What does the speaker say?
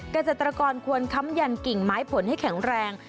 เกษตรกรควรค้ำยันกิ่งไม้ผลให้แข็งแรง